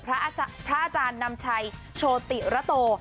พระอาจารย์นำชัยโชติระโต